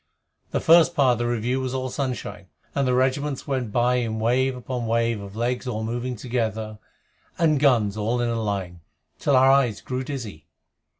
The first part of the review was all sunshine, and the regiments went by in wave upon wave of legs all moving together, and guns all in a line, till our eyes grew dizzy.